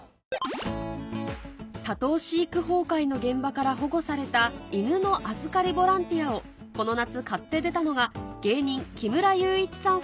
多頭飼育崩壊の現場から保護された犬の預かりボランティアをこの夏買って出たのが芸人木村祐一さん